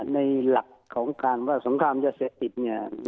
ในหลักของการว่าสงครามยาเสพติดเนี่ย